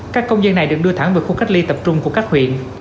các công dân này được đưa thẳng về khu cách ly tập trung của các huyện